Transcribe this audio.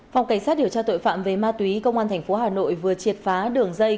phòng cảnh sát điều tra tội phạm về ma túy công an tp hà nội vừa triệt phá đường dây